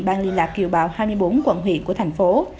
ban liên lạc kiều bào hai mươi bốn quận huyện của thành phố